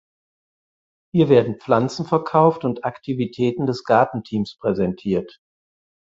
Hier werden Pflanzen verkauft und Aktivitäten des Gartenteams präsentiert.